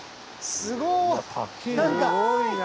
すごいな。